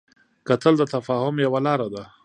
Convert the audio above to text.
کتل د تفاهم یوه لاره ده